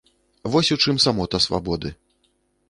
Вось у чым самота свабоды.